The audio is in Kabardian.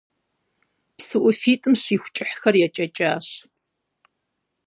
Псы ӏуфитӏым щиху кӏыхьхэр екӏэкӏащ.